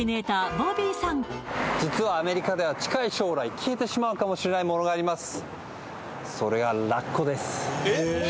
実はアメリカでは近い将来消えてしまうかもしれないものがあります